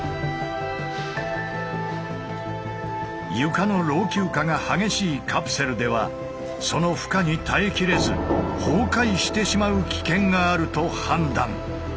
床の老朽化が激しいカプセルではその負荷に耐えきれず崩壊してしまう危険があると判断。